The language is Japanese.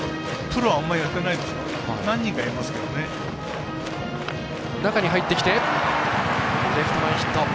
プロはあんまりやってないですよ。